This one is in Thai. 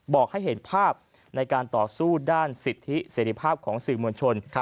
บอกให้เห็นภาพในการต่อสู้ด้านสิทธิเสรีภาพของสื่อมวลชน